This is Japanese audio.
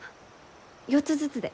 ４つずつで。